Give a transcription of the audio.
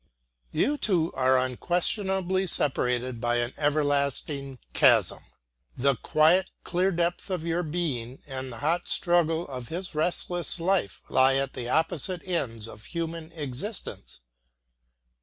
You two are unquestionably separated by an everlasting chasm. The quiet, clear depth of your being and the hot struggle of his restless life lie at the opposite ends of human existence.